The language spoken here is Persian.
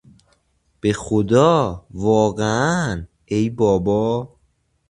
به خدا!، واقعا!، ای بابا!